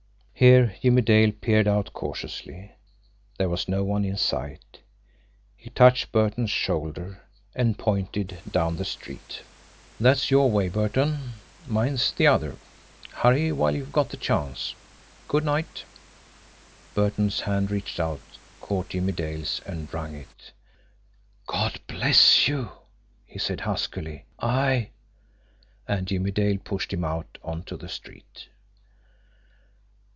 Here Jimmie Dale peered out cautiously. There was no one in sight. He touched Burton's shoulder, and pointed down the street. "That's your way, Burton mine's the other. Hurry while you've got the chance. Good night." Burton's hand reached out, caught Jimmie Dale's, and wrung it. "God bless you!" he said huskily. "I " And Jimmie Dale pushed him out on to the street.